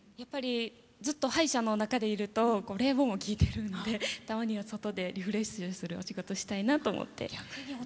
ずっと歯医者の中にいると冷房も効いてるのでたまには外でリフレッシュする仕事をしたいなと思って。